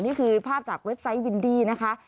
นี่คือภาพจากเว็บไซต์วินดี้นะคะ